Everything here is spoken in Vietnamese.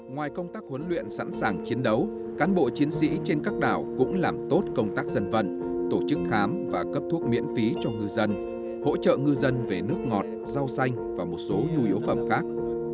ngoài công tác huấn luyện sẵn sàng chiến đấu cán bộ chiến sĩ trên các đảo cũng làm tốt công tác dân vận tổ chức khám và cấp thuốc miễn phí cho ngư dân hỗ trợ ngư dân về nước ngọt rau xanh và một số nhu yếu phẩm khác